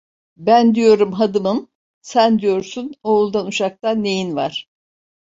Ben diyorum hadımım sen diyorsun oğuldan uşaktan neyin var.